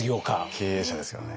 経営者ですからね。